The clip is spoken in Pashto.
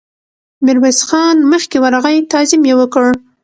ميرويس خان مخکې ورغی، تعظيم يې وکړ.